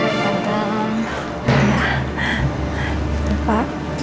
selamat datang mutia